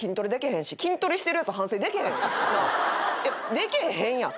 できへんやん。